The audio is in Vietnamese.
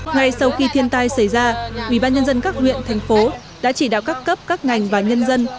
ngay sau khi thiên tai xảy ra ubnd các huyện thành phố đã chỉ đạo các cấp các ngành và nhân dân